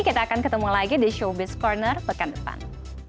kita akan ketemu lagi di showbiz corner pekan depan